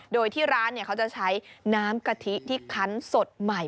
โดยที่ร้านเขาจะใช้น้ำกะทิที่คันสดใหม่